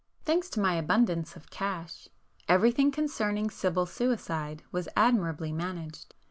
Thanks to my abundance of cash, everything concerning Sibyl's suicide was admirably managed.